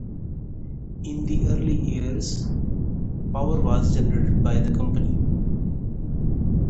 In the early years, power was generated by the company.